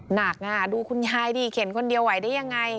หนักดูคุณยายดิเข็นคนเดียวไหวได้ยังไง